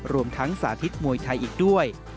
รวมทั้งสาธิตมวยไทยอีกด้วย